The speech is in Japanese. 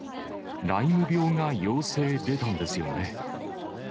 ライム病が陽性出たんですよね。